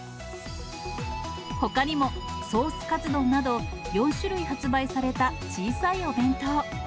ほかにもソースカツ丼など、４種類発売された小さいお弁当。